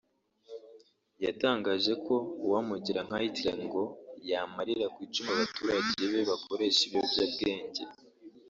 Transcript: yatangaje ko uwamugira nka Hitler ngo yamarira ku icumu abaturage be bakoresha ibiyobyabwenge